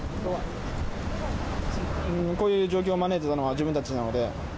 こういう状況を招いたのは自分たちなので。